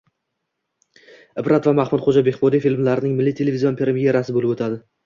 Ibrat va Mahmudxo‘ja Behbudiy filmlarining milliy televizion premerasi bo‘lib o‘tadi